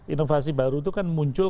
inovasi baru itu kan muncul